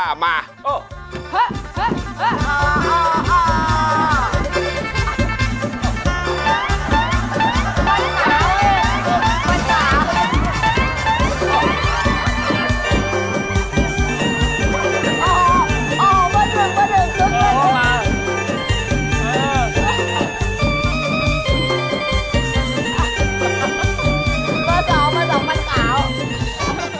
มันหมาเว้ย